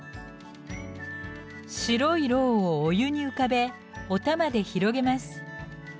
白い蝋をお湯に浮かべお玉で広げます。